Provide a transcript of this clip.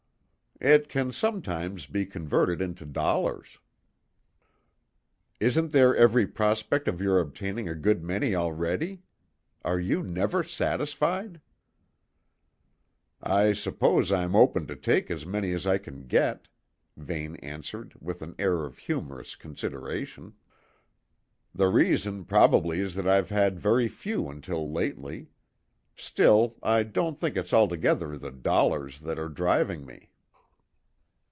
"It can sometimes be converted into dollars." "Isn't there every prospect of your obtaining a good many already? Are you never satisfied?" "I suppose I'm open to take as many as I can get," Vane answered with an air of humorous consideration. "The reason probably is that I've had very few until lately. Still, I don't think it's altogether the dollars that are driving me."